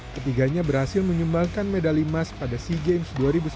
ketiganya berhasil menyumbangkan medali emas pada sea games dua ribu sembilan belas